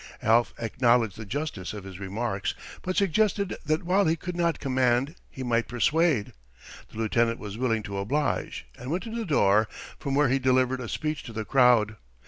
Alf acknowledged the justice of his remarks, but suggested that while he could not command he might persuade. The lieutenant was willing to oblige, and went to the door, from where he delivered a speech to the crowd.